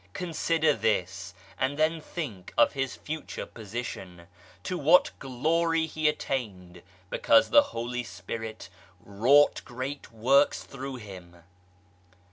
Consider this ! and then think of his future position ; to what glory he attained because the Holy Spirit wrought great works through him.